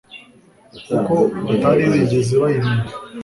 kuko batari bigeze bayimenya